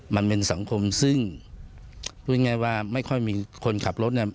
มันเป็นสังคมซึ่งไม่ค่อยมีคนขับรถ